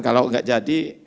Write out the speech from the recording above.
kalau enggak jadi